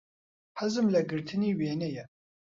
حەزم لە گرتنی وێنەیە.